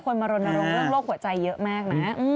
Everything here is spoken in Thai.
คนมารวมมารวมเรื่องโรคหัวใจเยอะมากนะ